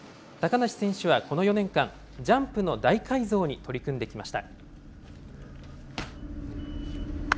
高梨選手はこの４年間、ジャンプの大改造に取り組んできました。